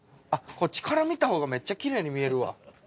こっちから見たほうがめっちゃきれいに見えるわ。